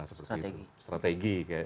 seperti itu strategi